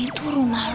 oh ini rumah lo